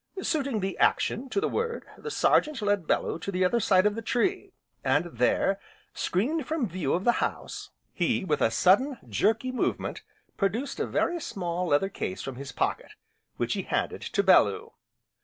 Suiting the action to the word, the Sergeant led Bellew to the other side of the tree, and there, screened from view of the house, he, with a sudden, jerky movement, produced a very small leather case from his pocket, which he handed to Bellew.